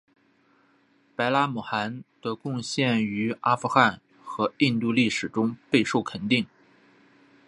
白拉姆汗的贡献于阿富汗和印度历史中备受肯定。